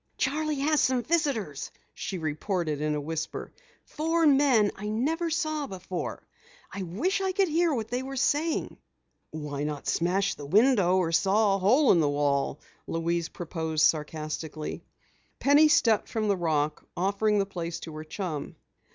"Charley has some visitors," she reported in a whisper. "Four men I never saw before. I wish I could hear what they are saying." "Why not smash the window, or saw a hole through the wall?" Louise proposed sarcastically. Penny stepped from the rock, offering the place to her chum.